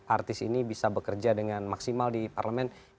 artis ini bisa bekerja dengan maksimal di parlemen